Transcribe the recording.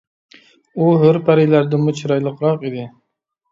ئۇ ھۆر پەرىلەردىنمۇ چىرايلىقراق ئىدى.